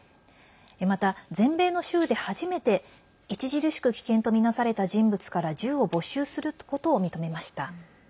また、全米の州で初めて著しく危険とみなされた人物から銃を没収することを認めました。